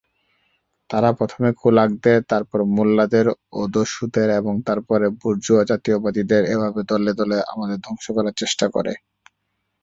তারা প্রথমে "কুলাক"দের, তারপর "মোল্লা"দের ও "দস্যু"দের এবং তারপরে "বুর্জোয়া-জাতীয়তাবাদী"দের এভাবে দলে দলে আমাদের ধ্বংস করার চেষ্টা করছে।